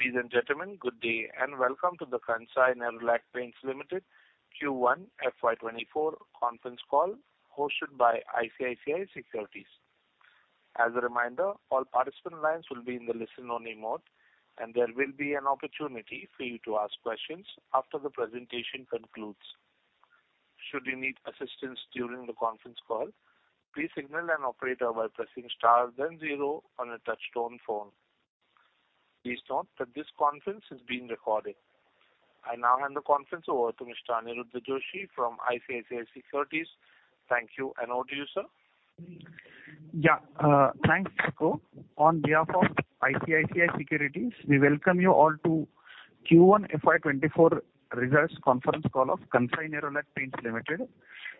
Ladies and gentlemen, good day, and welcome to the Kansai Nerolac Paints Limited Q1 FY24 conference call, hosted by ICICI Securities. As a reminder, all participant lines will be in the listen-only mode, and there will be an opportunity for you to ask questions after the presentation concludes. Should you need assistance during the conference call, please signal an operator by pressing star, then zero on a touchtone phone. Please note that this conference is being recorded. I now hand the conference over to Mr. Aniruddha Joshi from ICICI Securities. Thank you, and over to you, sir. Yeah, thanks, Taco. On behalf of ICICI Securities, we welcome you all to Q1 FY2024 results conference call of Kansai Nerolac Paints Limited.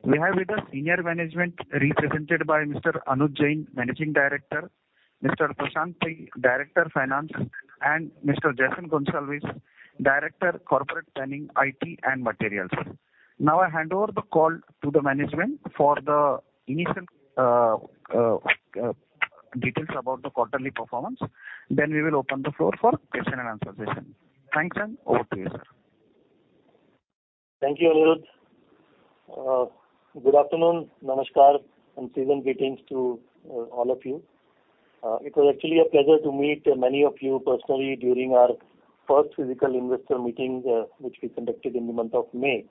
We have with us senior management, represented by Mr. Anuj Jain, Managing Director, Mr. Prashant Pai, Director, Finance, and Mr. Jason Gonsalves, Director, Corporate Planning, IT and Materials. I hand over the call to the management for the initial details about the quarterly performance, then we will open the floor for question and answer session. Thanks, over to you, sir. Thank you, Aniruddha. Good afternoon, namaskar, and season greetings to all of you. It was actually a pleasure to meet many of you personally during our first physical investor meeting, which we conducted in the month of May.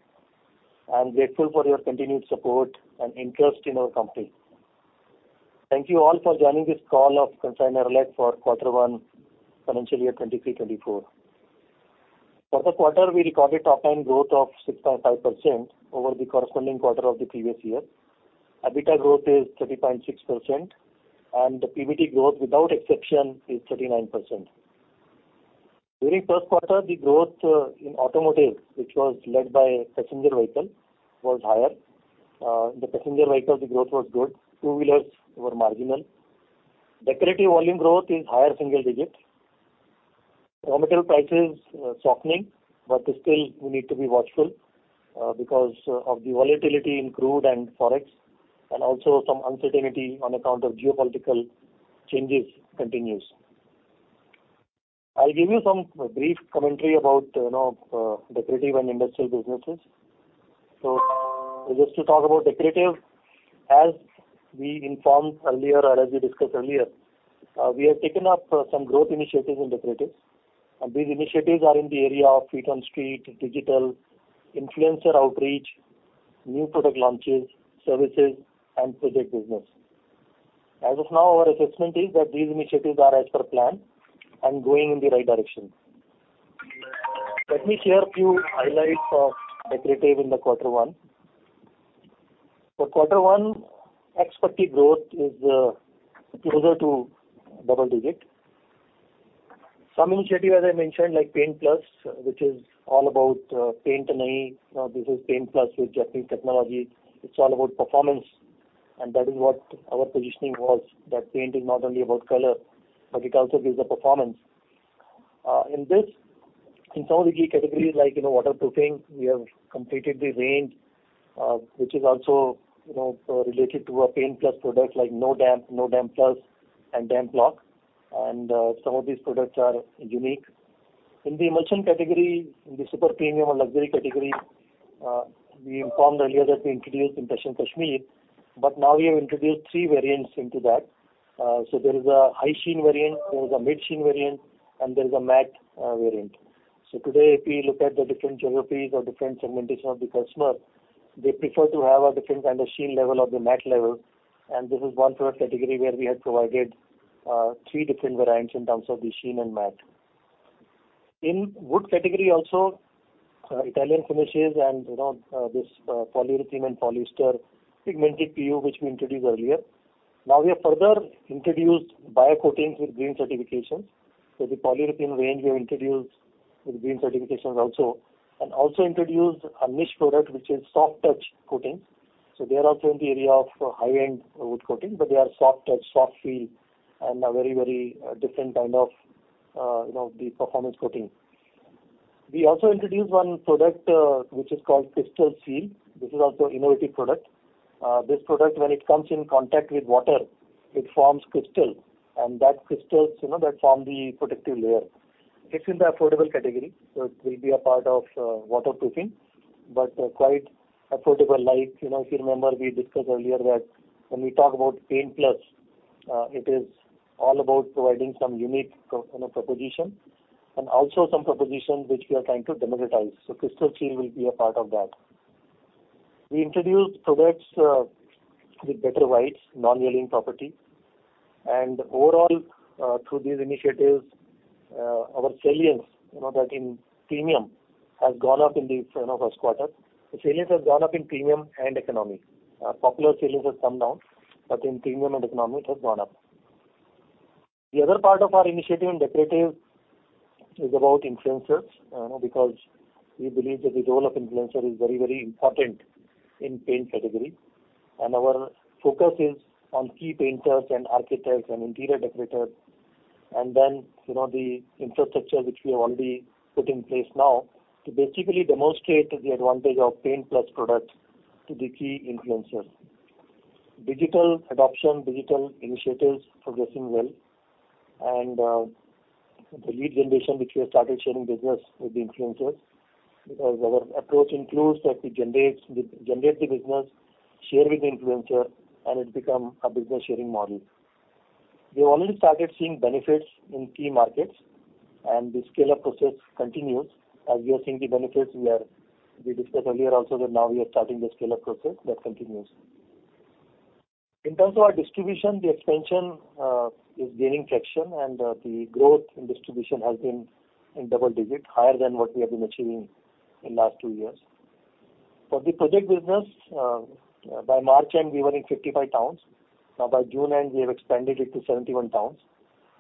I'm grateful for your continued support and interest in our company. Thank you all for joining this call of Kansai Nerolac for quarter one, financial year 2023, 2024. For the quarter, we recorded top-line growth of 6.5% over the corresponding quarter of the previous year. EBITDA growth is 30.6%, and the PBT growth, without exception, is 39%. During first quarter, the growth in automotive, which was led by passenger vehicle, was higher. The passenger vehicle, the growth was good. Two-wheelers were marginal. Decorative volume growth is higher single digit. Raw material prices softening, but still we need to be watchful, because of the volatility in crude and Forex, and also some uncertainty on account of geopolitical changes continues. I'll give you some brief commentary about, you know, decorative and industrial businesses. Just to talk about decorative, as we informed earlier or as we discussed earlier, we have taken up some growth initiatives in decorative, and these initiatives are in the area of feet on street, digital, influencer outreach, new product launches, services, and project business. As of now, our assessment is that these initiatives are as per plan and going in the right direction. Let me share a few highlights of decorative in the Q1. For Q1, ex-putty growth is closer to double-digit. Some initiative, as I mentioned, like Paint Plus, which is all about paint, this is Paint Plus with Japanese technology. It's all about performance, and that is what our positioning was, that paint is not only about color, but it also gives the performance. In this, in some of the key categories, like, you know, waterproofing, we have completed the range, which is also, you know, related to a Paint Plus product, like No Damp, No Damp Plus, and Damp Lock, and some of these products are unique. In the emulsion category, in the super premium or luxury category, we informed earlier that we introduced Impression Kashmir, but now we have introduced three variants into that. There is a high sheen variant, there is a mid sheen variant, and there is a matte variant. Today, if we look at the different geographies or different segmentation of the customer, they prefer to have a different kind of sheen level or the matte level, and this is one product category where we have provided three different variants in terms of the sheen and matte. In wood category also, Italian finishes and, you know, this polyurethane and polyester pigmented PU, which we introduced earlier. Now, we have further introduced bio coatings with green certifications. The polyurethane range we have introduced with green certifications also, and also introduced a niche product, which is soft touch coatings. They are also in the area of high-end wood coating, but they are soft touch, soft feel, and a very, very different kind of, you know, the performance coating. We also introduced one product, which is called Crystal Sheen. This is also innovative product. This product, when it comes in contact with water, it forms crystal, and that crystals, you know, that form the protective layer. It's in the affordable category, so it will be a part of waterproofing, but quite affordable like... You know, if you remember, we discussed earlier that when we talk about Paint Plus, it is all about providing some unique pro- you know, proposition, and also some propositions which we are trying to democratize. Crystal Sheen will be a part of that. We introduced products with better whites, non-yellowing property, and overall, through these initiatives, our salience, you know, that in premium, has gone up in the, you know, first quarter. The salience has gone up in premium and economy. Popular salience has come down, but in premium and economy, it has gone up. The other part of our initiative in decorative is about influencers, because we believe that the role of influencer is very, very important in paint category. Our focus is on key painters and architects and interior decorators, and then, you know, the infrastructure which we have already put in place now, to basically demonstrate the advantage of Paint Plus products to the key influencers. Digital adoption, digital initiatives progressing well. The lead generation, which we have started sharing business with the influencers, because our approach includes that we generate the, generate the business, share with the influencer, and it become a business sharing model. We only started seeing benefits in key markets, and the scale-up process continues as we are seeing the benefits where we discussed earlier also, that now we are starting the scale-up process, that continues. In terms of our distribution, the expansion is gaining traction, and the growth in distribution has been in double digit, higher than what we have been achieving in last 2 years. For the project business, by March end, we were in 55 towns. Now, by June end, we have expanded it to 71 towns.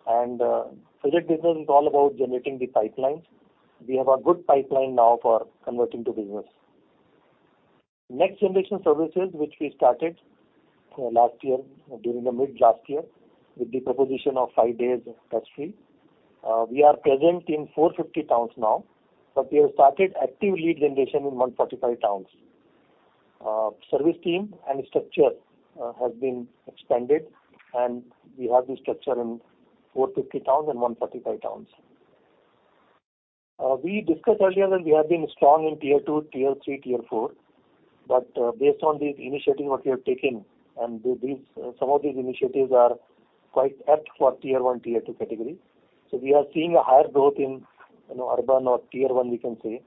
Project business is all about generating the pipelines. We have a good pipeline now for converting to business. Next generation services, which we started last year, during the mid last year, with the proposition of 5 days touch free. We are present in 450 towns now, but we have started active lead generation in 145 towns. Service team and structure has been expanded, and we have the structure in 450 towns and 145 towns. We discussed earlier that we have been strong in Tier 2, Tier 3, Tier 4, but, based on these initiatives what we have taken, and these some of these initiatives are quite apt for Tier 1, Tier 2 category. We are seeing a higher growth in, you know, urban or Tier 1, we can say.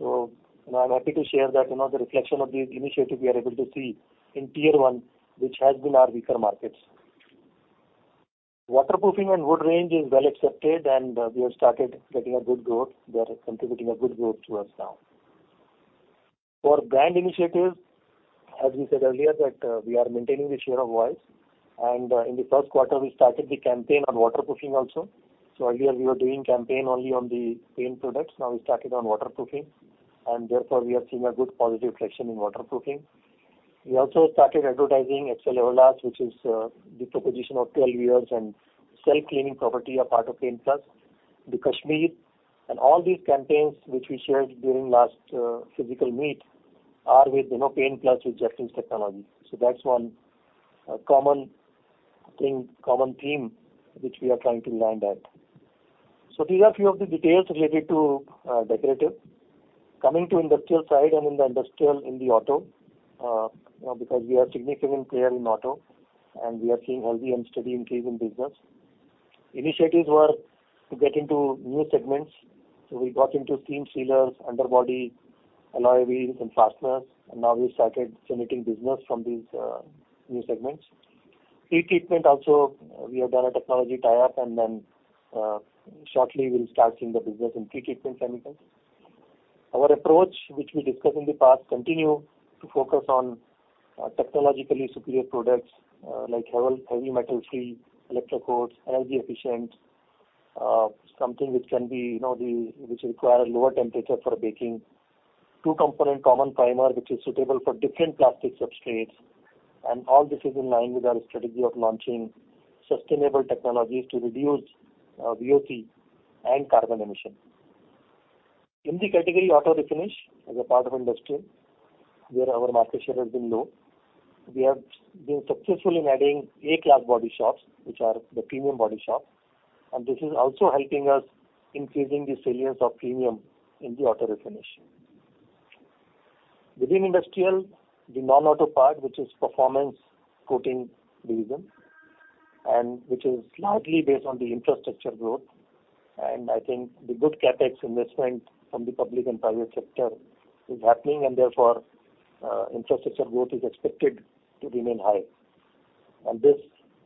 I'm happy to share that, you know, the reflection of these initiatives we are able to see in Tier 1, which has been our weaker markets. Waterproofing and wood range is well accepted, and we have started getting a good growth. They are contributing a good growth to us now. For brand initiatives, as we said earlier, that we are maintaining the share of voice, and in the 1st quarter, we started the campaign on waterproofing also. Earlier we were doing campaign only on the paint products, now we started on waterproofing, and therefore we are seeing a good positive reflection in waterproofing. We also started advertising Excel Everlast, which is the proposition of 12 years and self-cleaning property, a part of Paint Plus. The Kashmir and all these campaigns which we shared during last physical meet are with, you know, Paint Plus with Germ-Free technology. That's one common thing, common theme, which we are trying to land at. These are a few of the details related to decorative. Coming to industrial side and in the industrial, in the auto, because we are significant player in auto, and we are seeing healthy and steady increase in business. Initiatives were to get into new segments. We got into seam sealers, underbody, alloy wheels and fasteners. Now we started generating business from these new segments. Pre-treatment also, we have done a technology tie-up. Then, shortly we'll start seeing the business in pre-treatment chemicals. Our approach, which we discussed in the past, continue to focus on technologically superior products, like heavy, heavy metal seal, electrocoats, energy efficient, something which can be, you know, which require a lower temperature for baking. Two-component common primer, which is suitable for different plastic substrates. All this is in line with our strategy of launching sustainable technologies to reduce VOC and carbon emission. In the category Auto Refinish, as a part of industrial, where our market share has been low, we have been successful in adding A-class body shops, which are the premium body shop. This is also helping us increasing the salience of premium in the Auto Refinish. Within industrial, the non-auto part, which is Performance Coatings division, which is largely based on the infrastructure growth. I think the good CapEx investment from the public and private sector is happening, and therefore, infrastructure growth is expected to remain high. This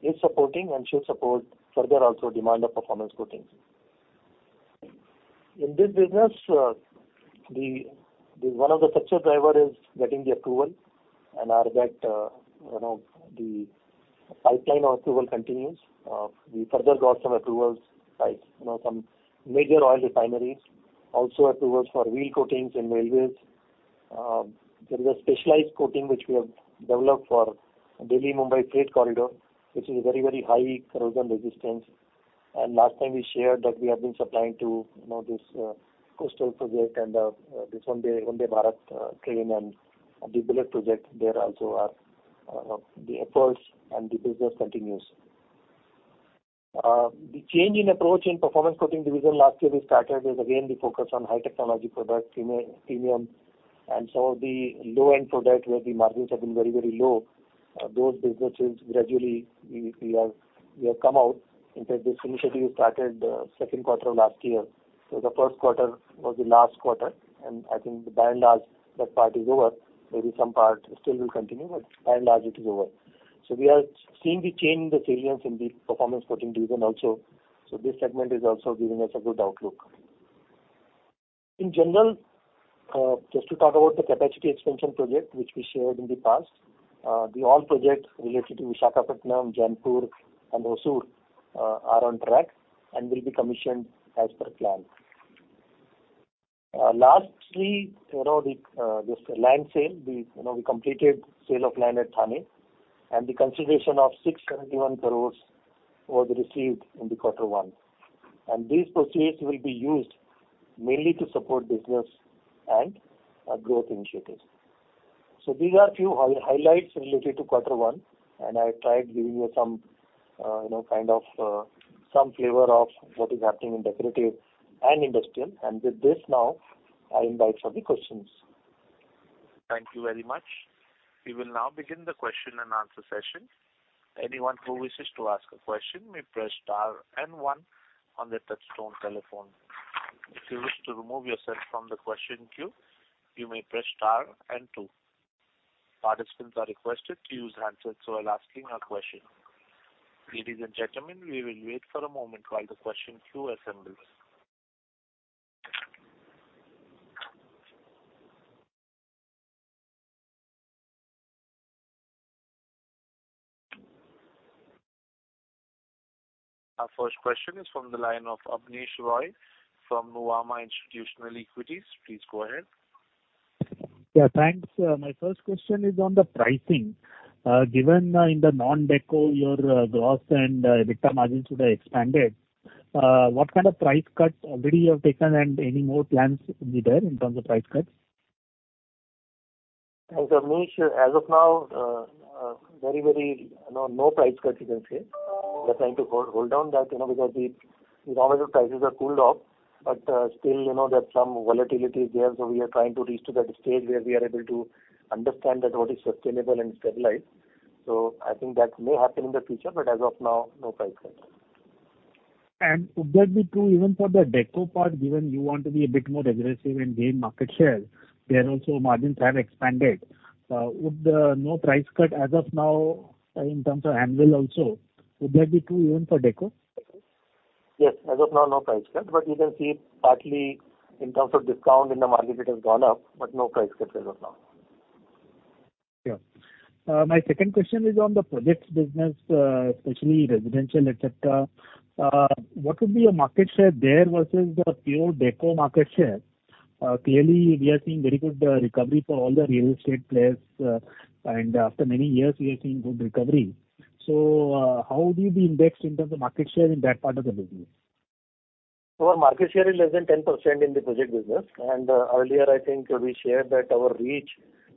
is supporting and should support further also demand of performance coatings. In this business, the, the one of the success driver is getting the approval and are that, you know, the pipeline approval continues. We further got some approvals by, you know, some major oil refineries, also approvals for wheel coatings in railways. There is a specialized coating which we have developed for Delhi-Mumbai freight corridor, which is a very, very high corrosion resistance. Last time we shared that we have been supplying to, you know, this coastal project and this Vande Bharat train and the bullet project. There also are the efforts and the business continues. The change in approach in Performance Coatings division last year we started is, again, the focus on high technology product, premi- premium. The low-end product, where the margins have been very, very low, those businesses gradually we, we have, we have come out. In fact, this initiative started second quarter of last year. The first quarter was the last quarter, and I think by and large, that part is over. Maybe some part still will continue, but by and large it is over. We are seeing the change in the salience in the Performance Coatings division also. In general, just to talk about the capacity expansion project, which we shared in the past. The all projects related to Visakhapatnam, Jaipur, and Hosur are on track and will be commissioned as per plan. Lastly, you know, the this land sale, you know, we completed sale of land at Thane, and the consideration of 601 crore was received in the quarter one. These proceeds will be used mainly to support business and growth initiatives. These are a few high-highlights related to quarter one, and I tried giving you some, you know, kind of, some flavor of what is happening in decorative and industrial. With this now, I invite for the questions. Thank you very much. We will now begin the question and answer session. Anyone who wishes to ask a question may press star and one on their touchtone telephone. If you wish to remove yourself from the question queue, you may press star and two. Participants are requested to use handsets while asking a question. Ladies and gentlemen, we will wait for a moment while the question queue assembles. Our first question is from the line of Abneesh Roy from Nuvama Institutional Equities. Please go ahead. Yeah, thanks. My first question is on the pricing. Given, in the non-deco, your gross and EBITDA margins today expanded, what kind of price cut already you have taken, and any more plans will be there in terms of price cuts? Thanks, Abneesh. As of now, very, very, you know, no price cuts, you can say. We're trying to hold, hold down that, you know, because the raw material prices are cooled off, but, still, you know, there's some volatility there. We are trying to reach to that stage where we are able to understand that what is sustainable and stabilized. I think that may happen in the future, but as of now, no price cuts. Would that be true even for the deco part, given you want to be a bit more aggressive and gain market share? There also, margins have expanded. Would the no price cut as of now, in terms of on-value also, would that be true even for deco? Yes. As of now, no price cut, but you can see partly in terms of discount in the market, it has gone up, but no price cuts as of now. Yeah. My second question is on the projects business, especially residential, et cetera. What would be your market share there versus the pure deco market share? Clearly, we are seeing very good recovery for all the real estate players, and after many years, we are seeing good recovery. How do you be indexed in terms of market share in that part of the business? Our market share is less than 10% in the project business, and earlier, I think we shared that our reach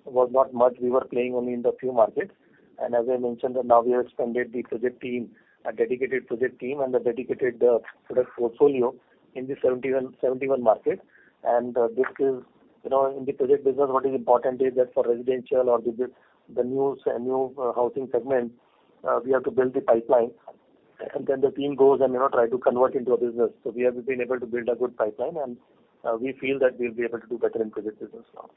was not much. We were playing only in the few markets. As I mentioned, now we have expanded the project team, a dedicated project team and a dedicated product portfolio in the 71, 71 market. This is, you know, in the project business, what is important is that for residential or the new housing segment, we have to build the pipeline, and then the team goes and, you know, try to convert into a business. We have been able to build a good pipeline, and we feel that we'll be able to do better in project business now.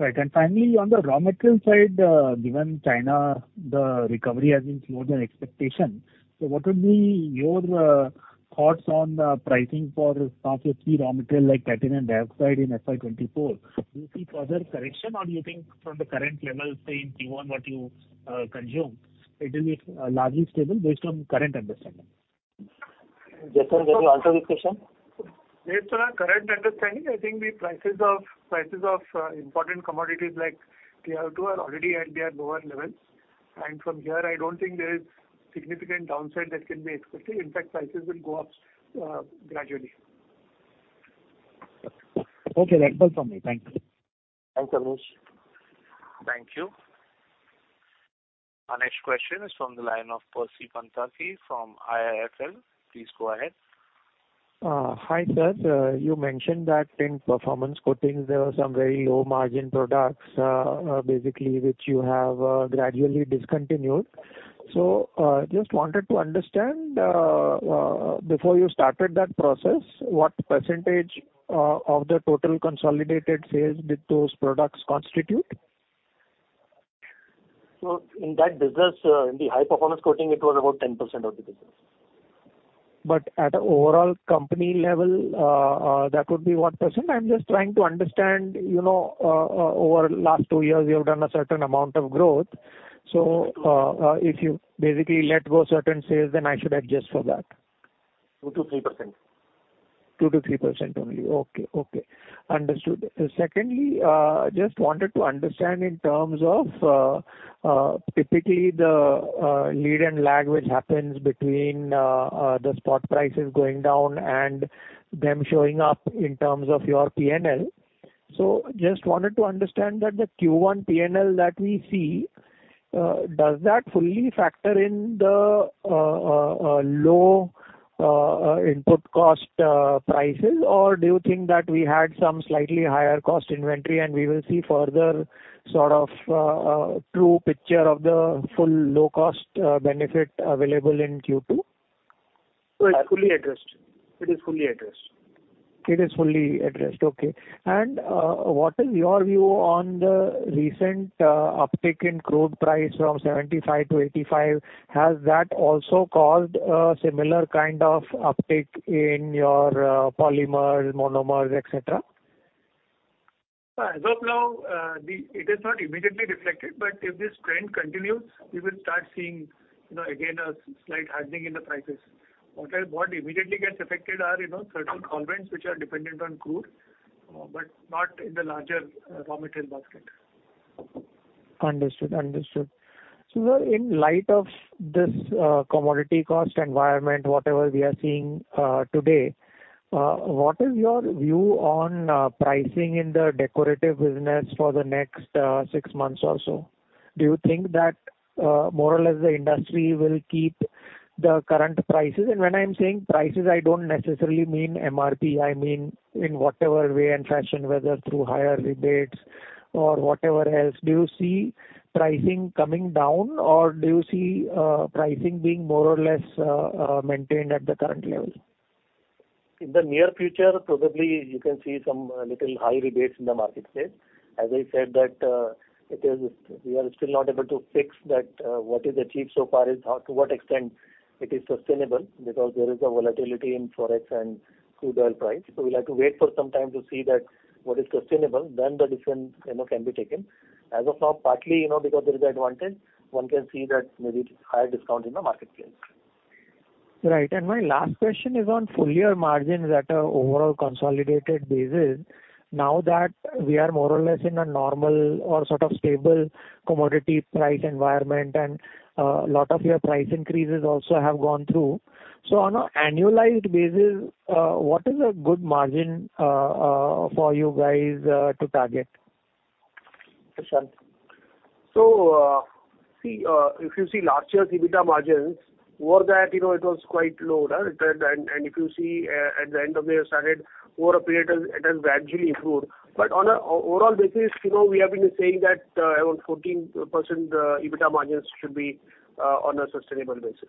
Right. Finally, on the raw material side, given China, the recovery has been slower than expectation. What would be your thoughts on the pricing for some of the key raw material like titanium dioxide in FY 2024? Do you see further correction, or do you think from the current level, say, in Q1, what you consume, it will be largely stable based on current understanding? Jason, would you answer this question? Based on our current understanding, I think the prices of, prices of, important commodities like TiO2 are already at their lower levels. From here, I don't think there is significant downside that can be expected. In fact, prices will go up, gradually. Okay, that's all from me. Thank you. Thanks, Abneesh. Thank you. Our next question is from the line of Percy Panthaki from IIFL. Please go ahead. Uh, hi, sir. Uh, you mentioned that in performance coatings, there were some very low-margin products, uh, uh, basically, which you have, uh, gradually discontinued. So, uh, just wanted to understand, uh, uh, before you started that process, what percentage, uh, of the total consolidated sales did those products constitute? In that business, in the high-performance coating, it was about 10% of the business. At an overall company level, that would be what percent? I'm just trying to understand, you know, over the last two years, you have done a certain amount of growth. If you basically let go certain sales, then I should adjust for that. 2%-3%. 2%-3% only. Okay. Okay, understood. Secondly, just wanted to understand in terms of typically the lead and lag, which happens between the spot prices going down and them showing up in terms of your PNL. Just wanted to understand that the Q1 PNL that we see, does that fully factor in the low input cost prices? Do you think that we had some slightly higher cost inventory, and we will see further sort of true picture of the full low-cost benefit available in Q2? It's fully addressed. It is fully addressed. It is fully addressed. Okay. What is your view on the recent, uptick in crude price from 75 to 85? Has that also caused a similar kind of uptick in your, polymers, monomers, et cetera? As of now, it is not immediately reflected, but if this trend continues, we will start seeing, you know, again, a slight hardening in the prices. What immediately gets affected are, you know, certain solvents which are dependent on crude, but not in the larger raw material basket. Understood, understood. In light of this, commodity cost environment, whatever we are seeing, today, what is your view on pricing in the decorative business for the next 6 months or so? Do you think that, more or less, the industry will keep the current prices? When I'm saying prices, I don't necessarily mean MRP, I mean, in whatever way and fashion, whether through higher rebates or whatever else. Do you see pricing coming down, or do you see pricing being more or less, maintained at the current level? In the near future, probably you can see some little high rebates in the marketplace. As I said, that we are still not able to fix that what is achieved so far, or to what extent it is sustainable, because there is a volatility in Forex and crude oil price. We'll have to wait for some time to see that what is sustainable, then the decision, you know, can be taken. As of now, partly, you know, because there is advantage, one can see that maybe higher discount in the marketplace. Right. My last question is on full year margins at an overall consolidated basis. Now that we are more or less in a normal or sort of stable commodity price environment, and a lot of your price increases also have gone through. On an annualized basis, what is a good margin for you guys to target? See, if you see last year's EBITDA margins, more that, you know, it was quite low, right? If you see, at the end of the year, started over a period, it has, it has gradually improved. On an overall basis, you know, we have been saying that, around 14%, EBITDA margins should be on a sustainable basis.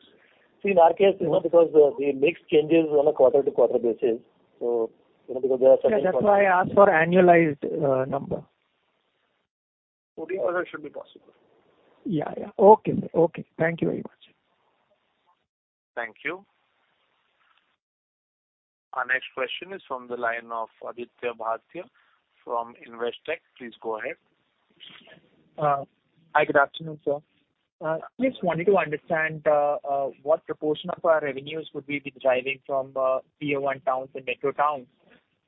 See, in our case, you know, because the mix changes on a quarter-to-quarter basis, so, you know, because there are certain- Yeah, that's why I asked for annualized, number. 14% should be possible. Yeah, yeah. Okay, okay. Thank you very much. Thank you. Our next question is from the line of Aditya Bhartia from Investec. Please go ahead. Hi, good afternoon, sir. Just wanted to understand what proportion of our revenues would we be deriving from tier one towns and metro towns,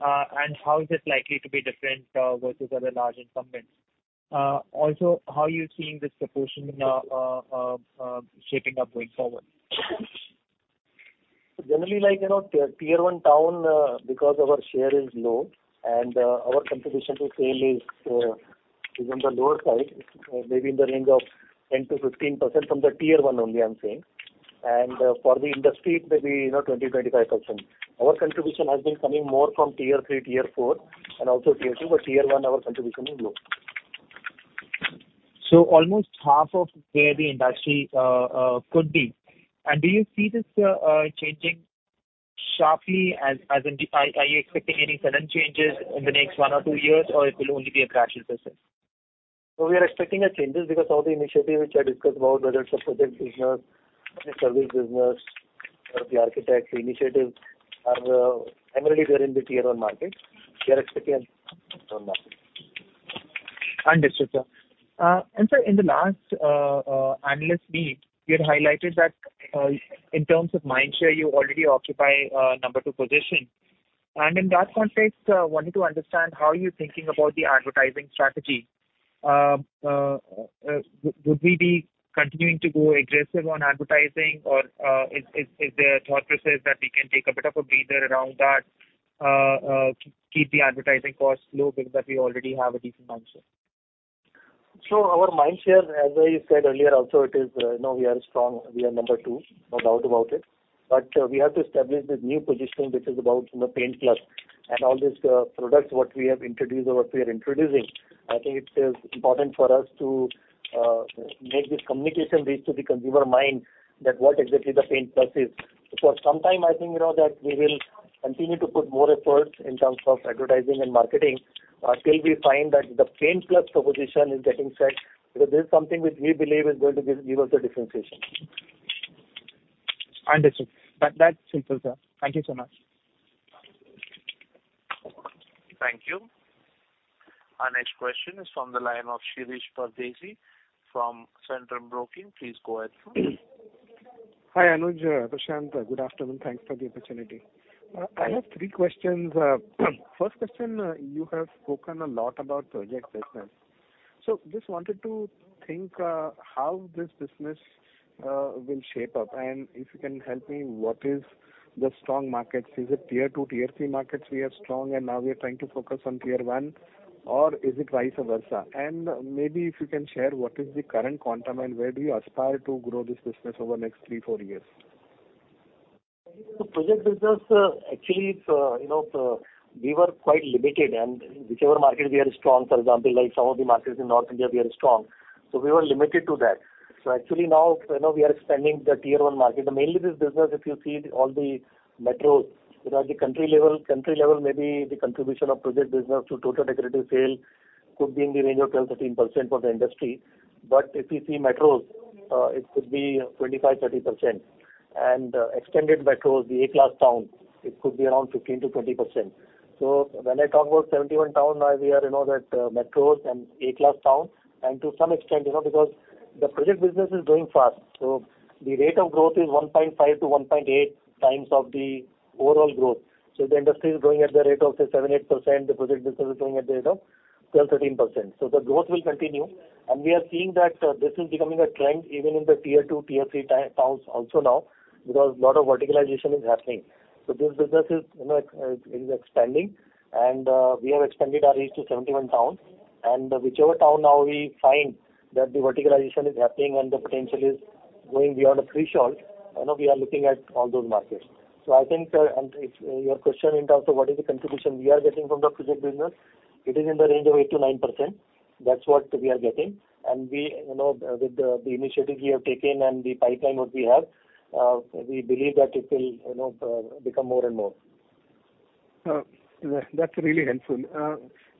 and how is it likely to be different versus other large incumbents? Also, how are you seeing this proportion shaping up going forward? Generally, like, you know, tier one town, because our share is low and, our contribution to sale is, is on the lower side, maybe in the range of 10%-15% from the tier one only, I'm saying. For the industry, it may be, you know, 20%-25%. Our contribution has been coming more from tier three, tier four, and also tier two, but tier one, our contribution is low. Almost half of where the industry could be. Do you see this changing sharply, are you expecting any sudden changes in the next 1 or 2 years, or it will only be a gradual process? We are expecting a changes because all the initiatives which I discussed about, whether it's a project business, a service business, or the architect initiatives, are primarily they're in the tier one market. We are expecting Understood, sir. Sir, in the last analyst meet, you had highlighted that in terms of mind share, you already occupy number two position. In that context, wanted to understand how you're thinking about the advertising strategy. Would we be continuing to go aggressive on advertising, or is, is, is there a thought process that we can take a bit of a breather around that, keep, keep the advertising costs low because we already have a decent mind share? Our mind share, as I said earlier, also, it is, you know, we are strong, we are number two, no doubt about it. We have to establish this new positioning, which is about, you know, Paint Plus and all these products, what we have introduced or what we are introducing. I think it is important for us to make this communication reach to the consumer mind, that what exactly the Paint Plus is. For some time, I think, you know, that we will continue to put more efforts in terms of advertising and marketing, till we find that the Paint Plus proposition is getting set, because this is something which we believe is going to give, give us a differentiation. Understood. That, that's simple, sir. Thank you so much. Thank you. Our next question is from the line of Shirish Pardeshi from Centrum Broking. Please go ahead, sir. Hi, Anuj, Prashant. Good afternoon. Thanks for the opportunity. I have 3 questions. First question, you have spoken a lot about project business. Just wanted to think, how this business will shape up, and if you can help me, what is the strong markets? Is it tier 2, tier 3 markets we are strong, and now we are trying to focus on tier 1, or is it vice versa? Maybe if you can share, what is the current quantum, and where do you aspire to grow this business over the next 3-4 years? The project business, actually, it's, you know, we were quite limited, and whichever market we are strong, for example, like some of the markets in North India, we are strong, so we were limited to that. Actually now, you know, we are expanding the tier one market. Mainly this business, if you see all the metros, you know, at the country level, country level, maybe the contribution of project business to total decorative sale could be in the range of 12%-13% for the industry. But if you see metros, it could be 25%-30%. Extended metros, the A-class towns, it could be around 15%-20%. When I talk about 71 town, now we are, you know, that metros and A-class towns, and to some extent, you know, because the project business is growing fast, the rate of growth is 1.5 to 1.8 times of the overall growth. The industry is growing at the rate of say, 7%, 8%, the project business is growing at the rate of 12%, 13%. The growth will continue, and we are seeing that this is becoming a trend even in the tier 2, tier 3 towns also now, because a lot of verticalization is happening. This business is, you know, it, it is expanding, and we have expanded our reach to 71 towns. Whichever town now we find that the verticalization is happening and the potential is going beyond the threshold, you know, we are looking at all those markets. I think, and if your question in terms of what is the contribution we are getting from the project business, it is in the range of 8%-9%. That's what we are getting. We, you know, with the initiative we have taken and the pipeline what we have, we believe that it will, you know, become more and more. That's really helpful.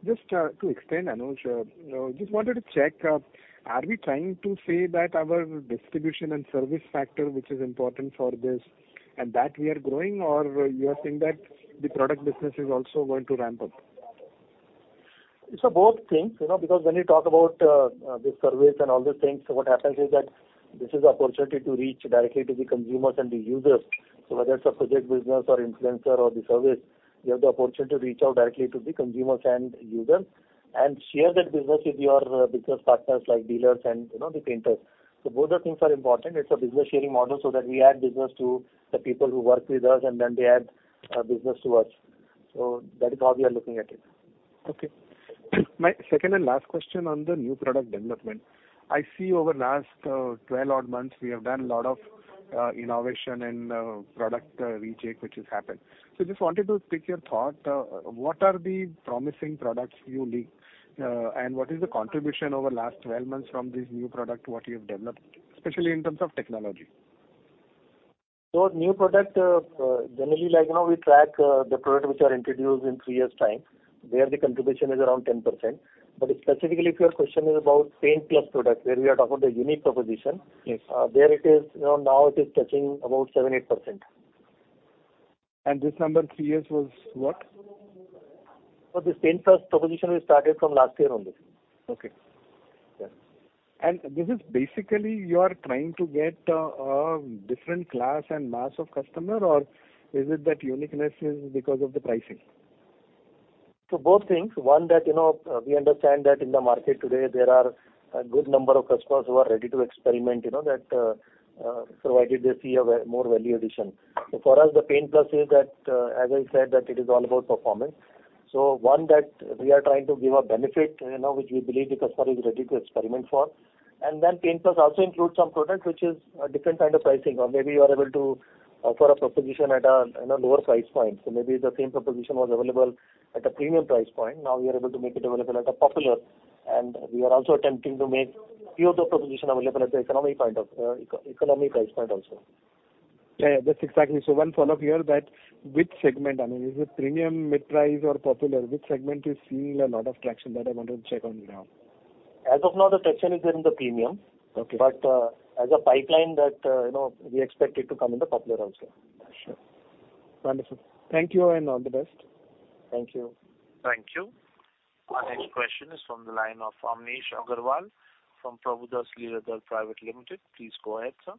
Just, to extend, Anuj, just wanted to check, are we trying to say that our distribution and service factor, which is important for this, and that we are growing, or you are saying that the product business is also going to ramp up? It's a both things, you know, because when you talk about the service and all these things, what happens is that this is the opportunity to reach directly to the consumers and the users. Whether it's a project business or influencer or the service, you have the opportunity to reach out directly to the consumers and users, and share that business with your business partners, like dealers and, you know, the painters. Both the things are important. It's a business sharing model, so that we add business to the people who work with us, and then they add business to us. That is how we are looking at it. Okay. My second and last question on the new product development. I see over the last, 12 odd months, we have done a lot of, innovation and, product, recheck, which has happened. Just wanted to pick your thought, what are the promising products you need, and what is the contribution over the last 12 months from this new product, what you have developed, especially in terms of technology? New product, generally, like, you know, we track the product which are introduced in 3 years' time, where the contribution is around 10%. Specifically, if your question is about Paint Plus product, where we are talking about the unique proposition... Yes. there it is, you know, now it is touching about 7%-8%. This number three years was what? For this Paint Plus proposition, we started from last year only. Okay. Yeah. This is basically you are trying to get a different class and mass of customer, or is it that uniqueness is because of the pricing? Both things. One, that, you know, we understand that in the market today, there are a good number of customers who are ready to experiment, you know, that, so why did they see more value addition? For us, the Paint Plus is that, as I said, that it is all about performance. One, that we are trying to give a benefit, you know, which we believe the customer is ready to experiment for. Then Paint Plus also includes some product, which is a different kind of pricing, or maybe you are able to offer a proposition at a lower price point. Maybe the same proposition was available at a premium price point, now we are able to make it available at a popular, and we are also attempting to make few of the proposition available at the economy price point also. Yeah, yeah, that's exactly. One follow-up here, that which segment, I mean, is it premium, mid-price or popular? Which segment is seeing a lot of traction that I wanted to check on you now? As of now, the traction is in the premium. Okay. As a pipeline that, you know, we expect it to come in the popular also. Sure. Wonderful. Thank you and all the best. Thank you. Thank you. Our next question is from the line of Amnish Aggarwal from Prabhudas Lilladher Private Limited. Please go ahead, sir.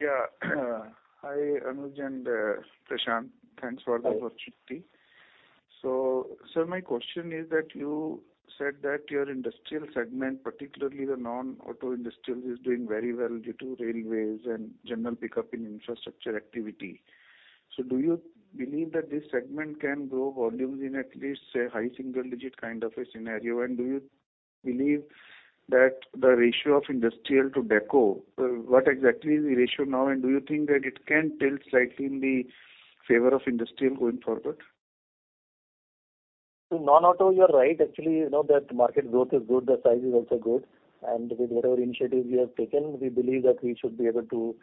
Yeah. Hi, Anuj and Prashant. Thanks for the opportunity. Sir, my question is that you said that your industrial segment, particularly the non-auto industrial, is doing very well due to railways and general pickup in infrastructure activity. Do you believe that this segment can grow volumes in at least, say, high single-digit kind of a scenario? Do you believe that the ratio of industrial to deco, what exactly is the ratio now, and do you think that it can tilt slightly in the favor of industrial going forward? Non-auto, you're right. Actually, you know, that market growth is good, the size is also good, and with whatever initiatives we have taken, we believe that we should be able to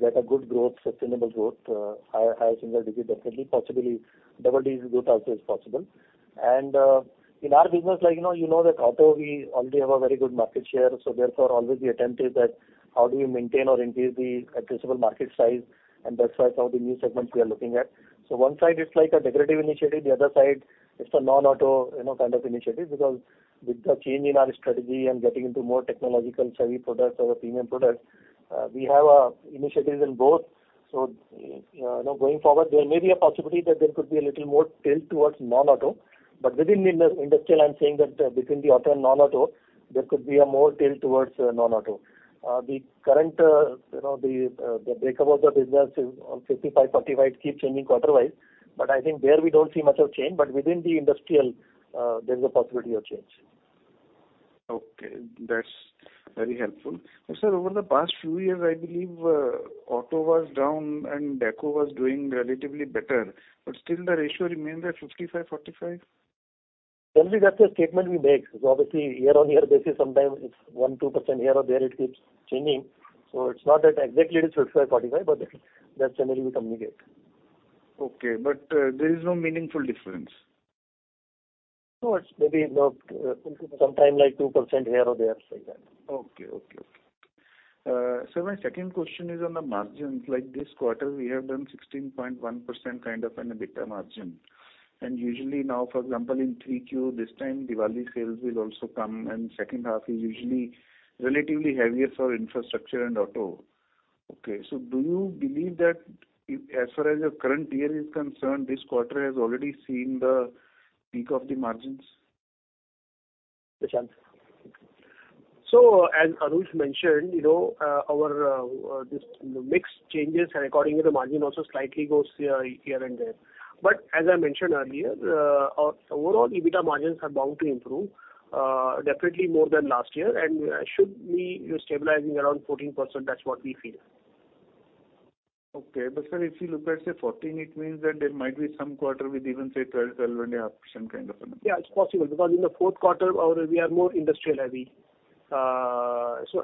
get a good growth, sustainable growth, higher, higher single-digit, definitely, possibly double-digit growth also is possible. In our business, like you know, you know that auto, we already have a very good market share, so therefore, always the attempt is that how do we maintain or increase the addressable market size, and that's why some of the new segments we are looking at. One side is like a decorative initiative, the other side is a non-auto, you know, kind of initiative. Because with the change in our strategy and getting into more technological savvy products or premium products, we have initiatives in both. Going forward, there may be a possibility that there could be a little more tilt towards non-auto. Within industrial, I'm saying that between the auto and non-auto, there could be a more tilt towards non-auto. The current breakup of the business is on 55, 45, keep changing quarter-wise, but I think there we don't see much of change, but within the industrial, there's a possibility of change. Okay, that's very helpful. Sir, over the past few years, I believe, auto was down and deco was doing relatively better, but still the ratio remained at 55, 45? Generally, that's the statement we make. Obviously, year-over-year basis, sometimes it's 1%, 2% here or there, it keeps changing. It's not that exactly it is 55, 45, but that's, that's generally we communicate. Okay, there is no meaningful difference? No, it's maybe, you know, sometime like 2% here or there, like that. Okay. Okay. My second question is on the margins. Like this quarter, we have done 16.1% kind of an EBITDA margin. Usually now, for example, in 3Q, this time, Diwali sales will also come, and second half is usually relatively heavier for infrastructure and auto. Okay. Do you believe that if, as far as your current year is concerned, this quarter has already seen the peak of the margins? Prashant. As Anuj mentioned, you know, our this mix changes, and accordingly, the margin also slightly goes here, here and there. As I mentioned earlier, our overall EBITDA margins are bound to improve, definitely more than last year, and should be stabilizing around 14%. That's what we feel. Okay. sir, if you look at, say, 14, it means that there might be some quarter with even, say, 12, 11, or some kind of number. Yeah, it's possible, because in the fourth quarter, our -- we are more industrial heavy.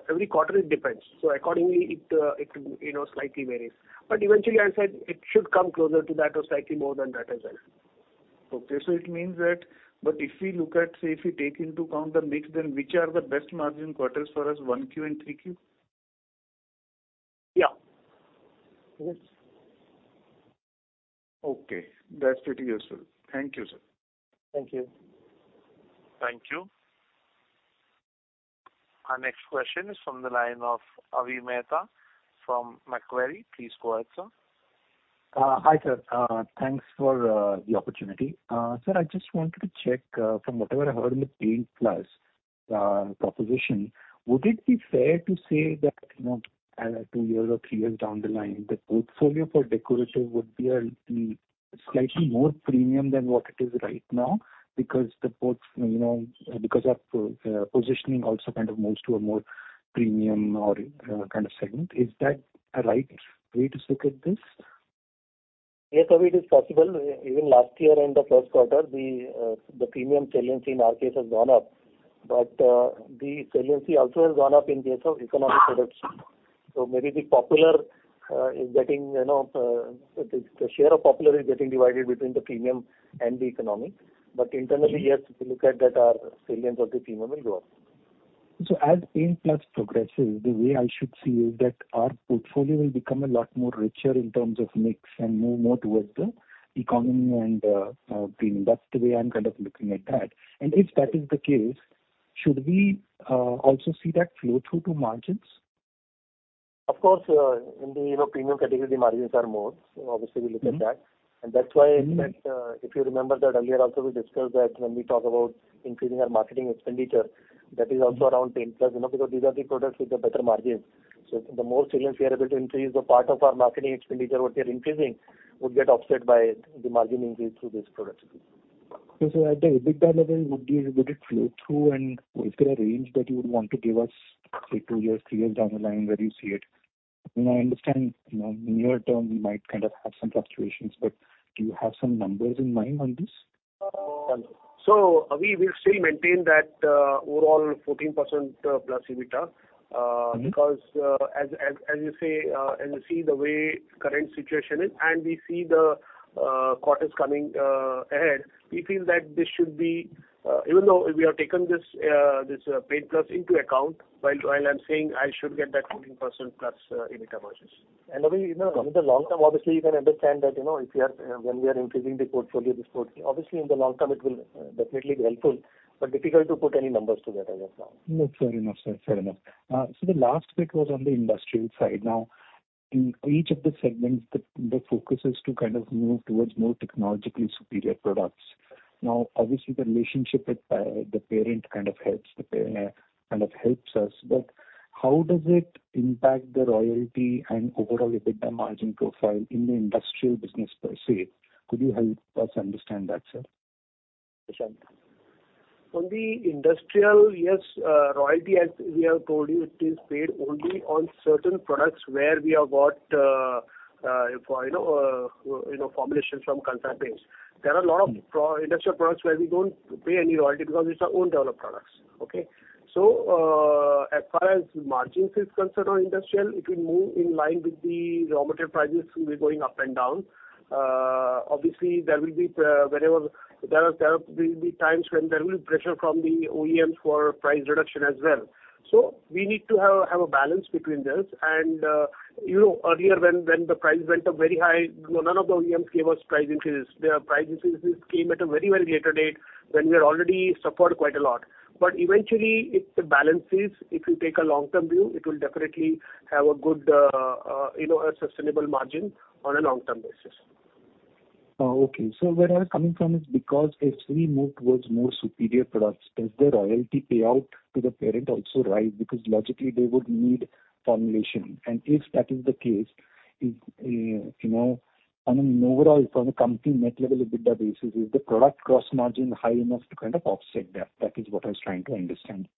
Every quarter it depends. Accordingly, it, you know, slightly varies. Eventually, I said it should come closer to that or slightly more than that as well. Okay. It means but if we look at, say, if we take into account the mix, then which are the best margin quarters for us, 1 Q and 3 Q? Yeah. Yes. Okay. That's pretty useful. Thank you, sir. Thank you. Thank you. Our next question is from the line of Avi Mehta from Macquarie. Please go ahead, sir. Hi, sir. Thanks for the opportunity. Sir, I just wanted to check, from whatever I heard in the Paint Plus proposition, would it be fair to say that, you know, two years or three years down the line, the portfolio for decorative would be a slightly more premium than what it is right now? Because the ports, you know, because of positioning also kind of moves to a more premium or kind of segment. Is that a right way to look at this? Yes, Avi, it is possible. Even last year in the first quarter, the, the premium saliency in our case has gone up, but, the saliency also has gone up in case of economic products. Maybe the popular, is getting, you know, the share of popular is getting divided between the premium and the economy. Internally, yes, if you look at that, our salience of the premium will go up. As Paint Plus progresses, the way I should see is that our portfolio will become a lot more richer in terms of mix and move more towards the economy and premium. That's the way I'm kind of looking at that. If that is the case, should we also see that flow through to margins? Of course, in the, you know, premium category, the margins are more. Obviously, we look at that. Mm-hmm. That's why, if you remember that earlier also, we discussed that when we talk about increasing our marketing expenditure, that is also around 10+, you know, because these are the products with the better margins. The more saliency we are able to increase, the part of our marketing expenditure, what we are increasing, would get offset by the margin increase through this product. At the EBITDA level, would it flow through, and is there a range that you would want to give us, say, two years, three years down the line, where you see it? I understand, you know, near term, we might kind of have some fluctuations, but do you have some numbers in mind on this? Avi, we still maintain that, overall 14% plus EBITDA. Mm-hmm. Because, as, as, as you say, we see the way current situation is, and we see the quarters coming ahead, we feel that this should be... Even though we have taken this, this Paint Plus into account, while, while I'm saying I should get that 14% plus, EBITDA margins. Avi, you know, in the long term, obviously, you can understand that, you know, when we are increasing the portfolio, obviously, in the long term, it will definitely be helpful, but difficult to put any numbers to that as of now. No, fair enough, sir. Fair enough. The last bit was on the industrial side. Now, in each of the segments, the, the focus is to kind of move towards more technologically superior products. Now, obviously, the relationship with the parent kind of helps, kind of helps us. How does it impact the royalty and overall EBITDA margin profile in the industrial business per se? Could you help us understand that, sir? Prashant. On the industrial, yes, royalty, as we have told you, it is paid only on certain products where we have got, you know, formulation from Kansai-based. There are a lot of industrial products where we don't pay any royalty because it's our own developed products. Okay? As far as margins is concerned on industrial, it will move in line with the raw material prices, will be going up and down. Obviously, there will be, whenever there are, there will be times when there will be pressure from the OEMs for price reduction as well. We need to have a balance between this. You know, earlier when the price went up very high, none of the OEMs gave us price increases. The price increases came at a very, very later date when we had already suffered quite a lot. Eventually, it balances. If you take a long-term view, it will definitely have a good, you know, a sustainable margin on a long-term basis. Okay. Where I'm coming from is because as we move towards more superior products, does the royalty payout to the parent also rise? Logically, they would need formulation. If that is the case, if, you know, I mean, overall, from a company net level EBITDA basis, is the product cross margin high enough to kind of offset that? That is what I was trying to understand.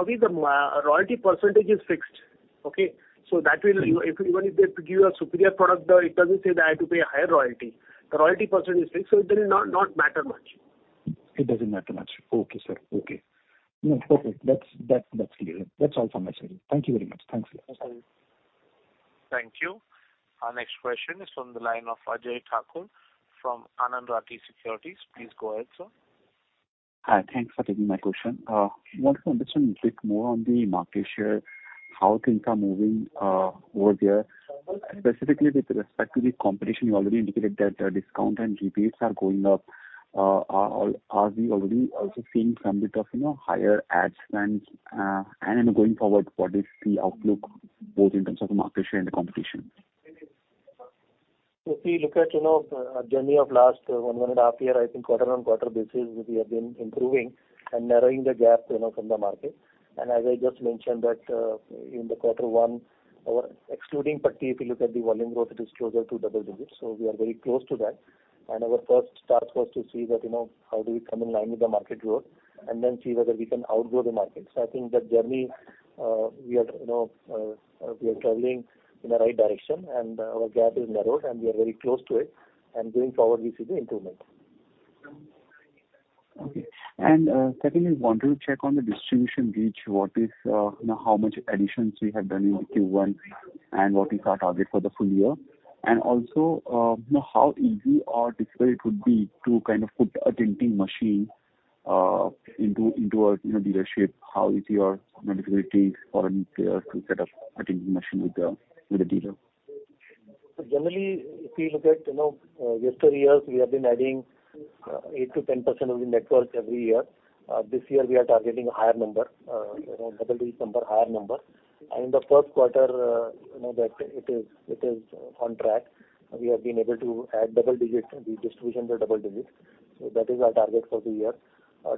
Avi, the royalty percentage is fixed, okay? That will, even if they give you a superior product, it doesn't say that I have to pay a higher royalty. The royalty percentage is fixed, so it will not, not matter much. It doesn't matter much. Okay, sir. Okay. No, okay. That's, that, that's clear. That's all from my side. Thank you very much. Thanks. Thank you. Our next question is from the line of Ajay Thakur from Anand Rathi Securities. Please go ahead, sir. Hi, thanks for taking my question. Want to understand a bit more on the market share, how things are moving over there, specifically with respect to the competition. You already indicated that the discount and rebates are going up. Are, are we already also seeing some bit of, you know, higher ad spends? Then going forward, what is the outlook, both in terms of the market share and the competition? If we look at, you know, the journey of last 1.5 years, I think quarter on quarter basis, we have been improving and narrowing the gap, you know, from the market. As I just mentioned that, in the quarter one, excluding putty, if you look at the volume growth, it is closer to double digits, so we are very close to that. Our first task was to see that, you know, how do we come in line with the market growth, and then see whether we can outgrow the market. I think that journey, we are, you know, we are traveling in the right direction and our gap is narrowed, and we are very close to it, and going forward, we see the improvement. Okay. Secondly, I want to check on the distribution reach. What is, you know, how much additions we have done in the Q1, and what is our target for the full year? Also, you know, how easy or difficult it would be to kind of put a tinting machine into, into a, you know, dealership? How easy or difficult it is for a new player to set up a tinting machine with the, with the dealer? Generally, if we look at, you know, yesteryears, we have been adding 8%-10% of the networks every year. This year we are targeting a higher number, you know, double-digit number, higher number. In the first quarter, you know, that it is, it is on track. We have been able to add double digits, the distribution to double digits. That is our target for the year.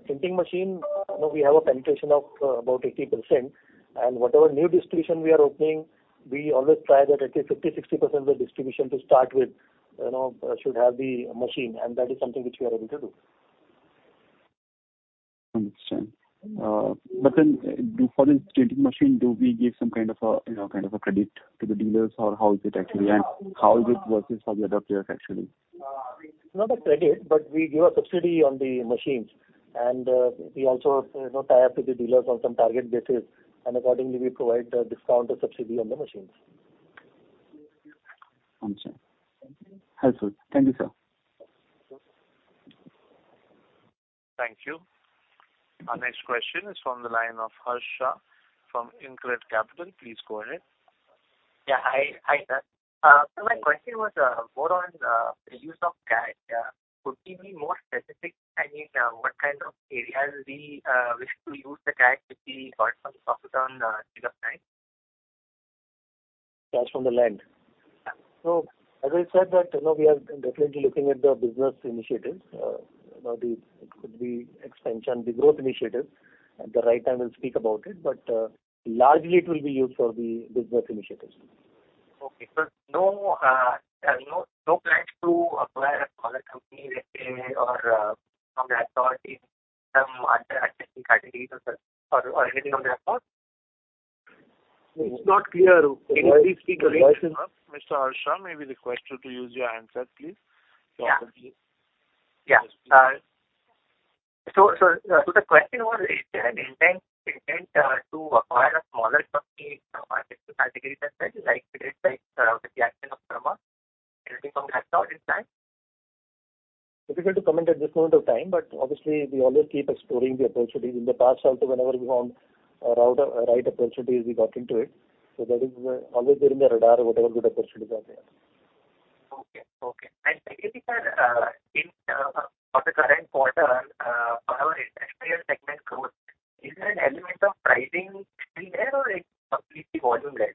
tinting machine, you know, we have a penetration of about 80%, and whatever new distribution we are opening, we always try that at least 50%-60% of the distribution to start with, you know, should have the machine, and that is something which we are able to do. Understand. Do, for the tinting machine, do we give some kind of a, you know, kind of a credit to the dealers or how is it actually? How is it versus for the other players, actually? It's not a credit, but we give a subsidy on the machines. We also, you know, tie up with the dealers on some target basis, and accordingly, we provide a discount or subsidy on the machines. Understand. Helpful. Thank you, sir. Thank you. Our next question is from the line of Harsh Shah from InCred Capital. Please go ahead. Yeah, hi. Hi, sir. My question was more on the use of cash. Could you be more specific, I mean, what kind of areas we wish to use the cash, which we got from the profit on sale of land? Cash from the land? Yeah. As I said that, you know, we are definitely looking at the business initiatives. You know, it could be expansion, the growth initiatives. At the right time, we'll speak about it, largely it will be used for the business initiatives. Okay. No, no, no plans to acquire a smaller company, let's say, or, from the authority, some other categories or, or anything on that part? It's not clear. Mr. Harsh Shah, may we request you to use your handset, please? Yeah. Yeah. So, so the question was, is there an intent, intent, to acquire a smaller company in some categories as well, like we did the acquisition of Sharma? Anything from that side this time? Difficult to comment at this point of time, obviously we always keep exploring the opportunities. In the past also, whenever we found a route or right opportunities, we got into it. That is always there in the radar, whatever good opportunities are there. Okay, okay. Secondly, sir, in, for the current quarter, for our interior segment growth, is there an element of pricing in there or it's completely volume-led?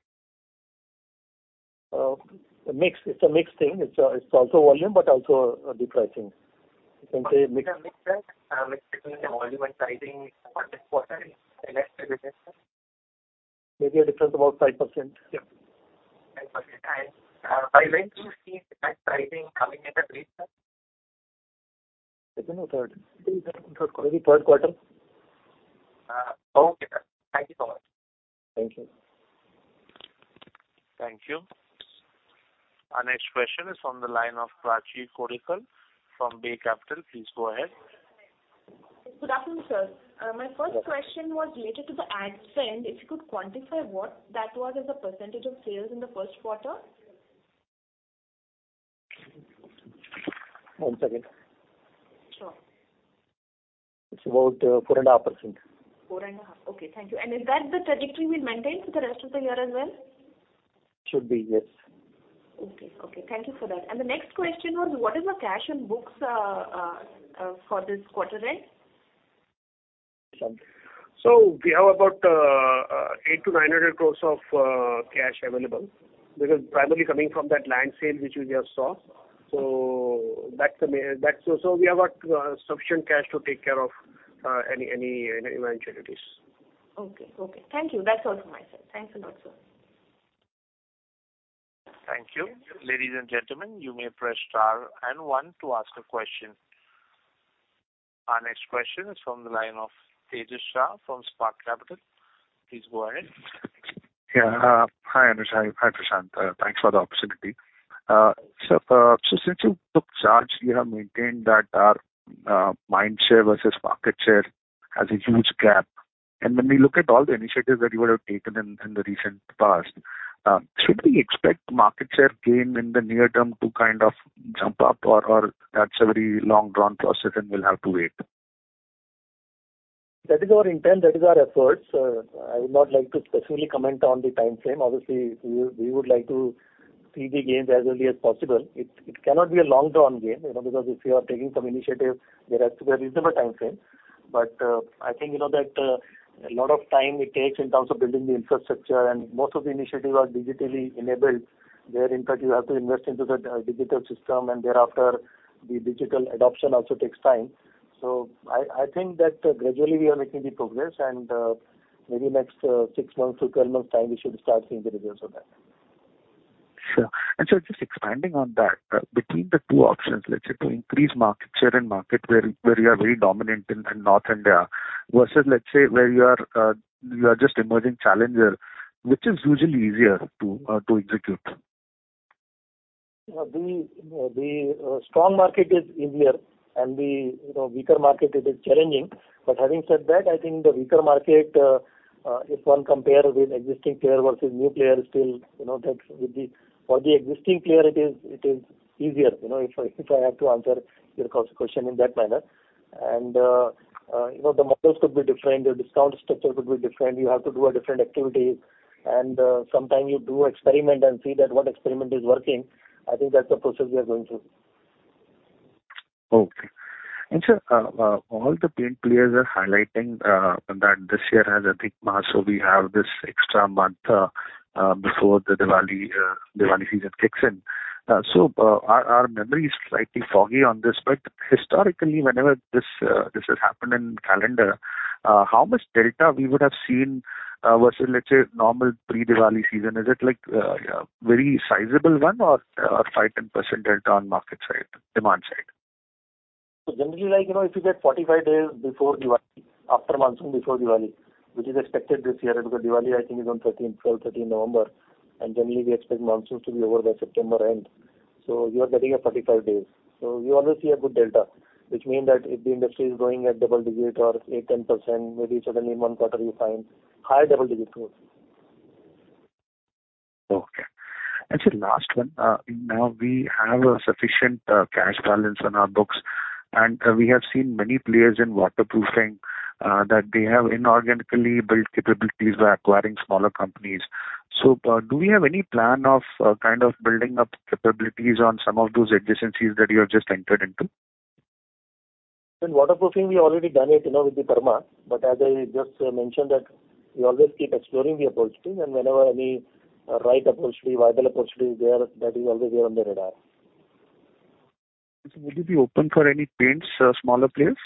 A mix. It's a mixed thing. It's, it's also volume, but also a bit pricing. You can say mix- Mix between the volume and pricing for this quarter? Maybe a difference about 5%. Yeah. 5%. By when do you see the pricing coming in the picture? Second or third. Third quarter. Okay, sir. Thank you so much. Thank you. Thank you. Our next question is from the line of Prachi Kodikal from Bay Capital. Please go ahead. Good afternoon, sir. My first question was related to the ad spend. If you could quantify what that was as a percent of sales in the first quarter? One second. Sure. It's about 4.5%. 4.5. Okay, thank you. Is that the trajectory we'll maintain for the rest of the year as well? Should be, yes. Okay. Okay, thank you for that. The next question was: What is the cash in books for this quarter end? We have about 800-900 crore of cash available. This is primarily coming from that land sale, which we just saw. We have got sufficient cash to take care of any, any eventualities. Okay, okay. Thank you. That's all for myself. Thanks a lot, sir. Thank you. Ladies and gentlemen, you may press star and one to ask a question. Our next question is from the line of Tejas Shah from Spark Capital. Please go ahead. Yeah. Hi, Anuj. Hi, Prashant. Thanks for the opportunity. Since you took charge, you have maintained that our mindshare versus market share has a huge gap. ...When we look at all the initiatives that you would have taken in, in the recent past, should we expect market share gain in the near term to kind of jump up, or, or that's a very long-drawn process, and we'll have to wait? That is our intent, that is our efforts. I would not like to specifically comment on the time frame. Obviously, we, we would like to see the gains as early as possible. It, it cannot be a long-drawn game, you know, because if you are taking some initiative, there has to be a reasonable time frame. I think you know that, a lot of time it takes in terms of building the infrastructure, and most of the initiatives are digitally enabled. There, in fact, you have to invest into the digital system, and thereafter, the digital adoption also takes time. I think that, gradually we are making the progress, and, maybe next, 6 months to 12 months time, we should start seeing the results of that. Sure. So just expanding on that, between the two options, let's say, to increase market share and market where, where you are very dominant in North India versus, let's say, where you are, you are just emerging challenger, which is usually easier to, to execute? The, the strong market is easier and the, you know, weaker market, it is challenging. Having said that, I think the weaker market, if one compares with existing player versus new player, still, you know, that would be. For the existing player, it is, it is easier, you know, if I, if I have to answer your question, question in that manner. You know, the models could be different, the discount structure could be different. You have to do a different activity, and sometime you do experiment and see that what experiment is working. I think that's the process we are going through. Okay. Sir, all the paint players are highlighting that this year has a thick monsoon. We have this extra month before the Diwali season kicks in. Our memory is slightly foggy on this, but historically, whenever this has happened in calendar, how much delta we would have seen versus, let's say, normal pre-Diwali season? Is it like a very sizable one or 5%-10% delta on market side, demand side? Generally, like, you know, if you get 45 days before Diwali, after monsoon, before Diwali, which is expected this year, because Diwali, I think, is on thirteenth, twelfth, 13 November, and generally we expect monsoon to be over by September end, you are getting a 45 days. We always see a good delta, which means that if the industry is growing at double digit or 8, 10%, maybe suddenly in one quarter you find higher double digit growth. Okay. Sir, last one. Now we have a sufficient cash balance on our books, and we have seen many players in waterproofing that they have inorganically built capabilities by acquiring smaller companies. Do we have any plan of kind of building up capabilities on some of those adjacencies that you have just entered into? In waterproofing, we already done it, you know, with the Perma. As I just mentioned, that we always keep exploring the opportunity and whenever any, right opportunity, viable opportunity is there, that is always there on the radar. Would you be open for any paints, smaller players?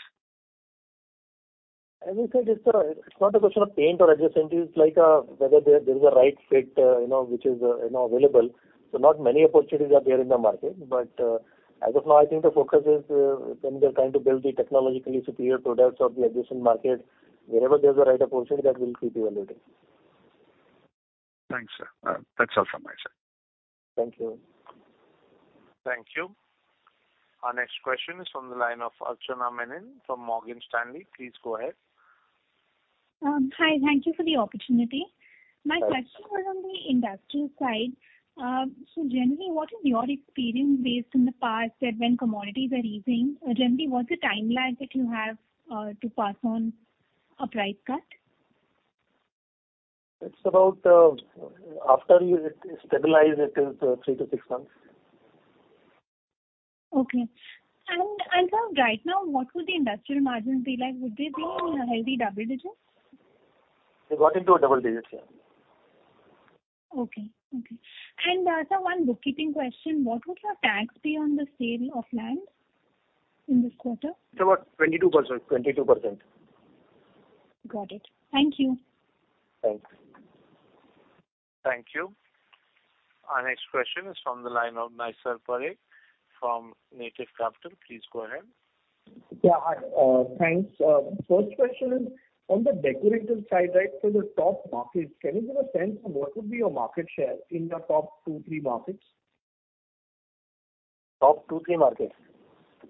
As I said, it's, it's not a question of paint or adjacent. It's like, whether there, there is a right fit, you know, which is, you know, available. Not many opportunities are there in the market. As of now, I think the focus is, when we are trying to build the technologically superior products of the adjacent market, wherever there's a right opportunity, that we'll keep evaluating. Thanks, sir. That's all from my side. Thank you. Thank you. Our next question is from the line of Archana Menon from Morgan Stanley. Please go ahead. Hi. Thank you for the opportunity. Yes. My question was on the industrial side. Generally, what is your experience based in the past, that when commodities are easing, generally, what's the timeline that you have to pass on a price cut? It's about, after you stabilize it, three to six months. Okay. Sir, right now, what would the industrial margins be like? Would they be in a healthy double digits? They got into double digits, yeah. Okay. Okay. Sir, one bookkeeping question: What would your tax be on the sale of land in this quarter? It's about 22%. 22%. Got it. Thank you. Thanks. Thank you. Our next question is from the line of Nisar Parikh from Native Capital. Please go ahead. Yeah, hi, thanks. First question is on the decorative side, right? The top markets, can you give a sense on what would be your market share in the top 2, 3 markets? Top two, three markets?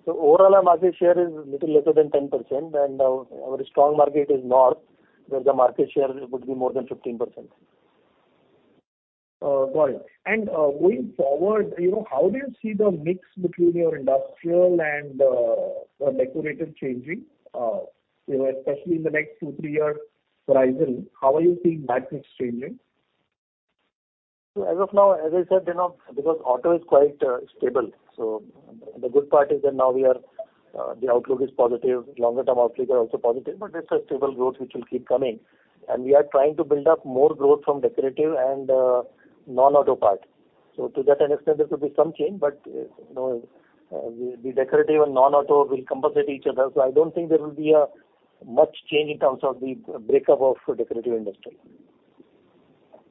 Overall, our market share is little lesser than 10%, and our strong market is North, where the market share would be more than 15%. Got it. Going forward, you know, how do you see the mix between your industrial and the decorative changing, you know, especially in the next 2, 3-year horizon, how are you seeing that mix changing? As of now, as I said, you know, because auto is quite stable. The good part is that now we are, the outlook is positive. Longer-term outlook are also positive, but it's a stable growth which will keep coming. We are trying to build up more growth from decorative and non-auto part. To that extent, there could be some change, but, you know, the decorative and non-auto will compensate each other. I don't think there will be a much change in terms of the breakup of decorative industry.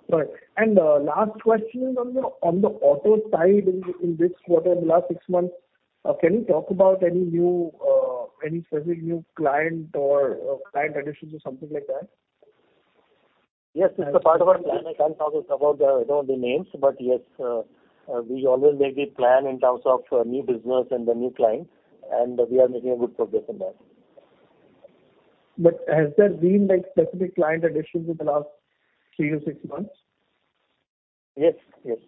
Right. Last question is on the, on the auto side in this quarter, in the last six months, can you talk about any new, any specific new client or, client additions or something like that? Yes, it's a part of our plan. I can't talk about the, you know, the names, but yes, we always make the plan in terms of new business and the new clients, and we are making a good progress in that. Has there been, like, specific client additions in the last 3-6 months? Yes, yes.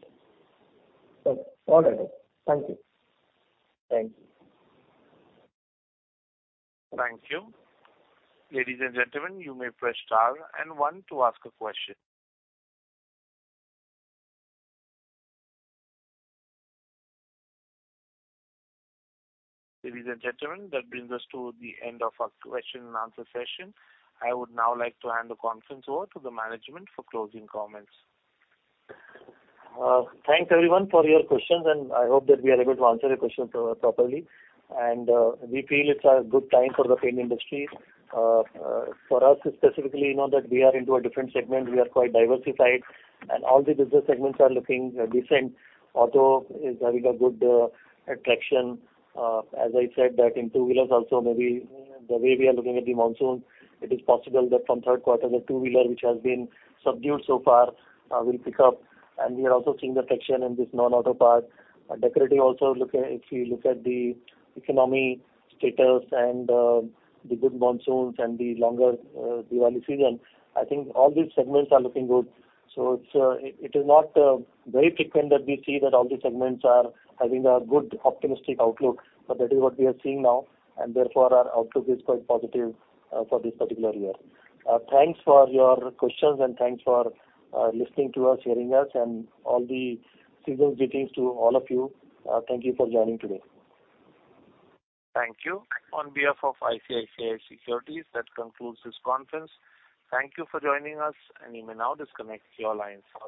Okay. All right. Thank you. Thank you. Thank you. Ladies and gentlemen, you may press star 1 to ask a question. Ladies and gentlemen, that brings us to the end of our question-and-answer session. I would now like to hand the conference over to the management for closing comments. Thanks, everyone, for your questions, and I hope that we are able to answer your questions properly. We feel it's a good time for the paint industry. For us specifically, now that we are into a different segment, we are quite diversified, and all the business segments are looking decent. Auto is having a good attraction. As I said, that in two wheelers also, maybe the way we are looking at the monsoon, it is possible that from 3rd quarter, the two-wheeler, which has been subdued so far, will pick up. We are also seeing the traction in this non-auto part. Decorative also, if you look at the economy status and the good monsoons and the longer Diwali season, I think all these segments are looking good. It is not very frequent that we see that all the segments are having a good, optimistic outlook, but that is what we are seeing now, and therefore, our outlook is quite positive for this particular year. Thanks for your questions and thanks for listening to us, hearing us, and all the season's greetings to all of you. Thank you for joining today. Thank you. On behalf of ICICI Securities, that concludes this conference. Thank you for joining us. You may now disconnect your lines for this.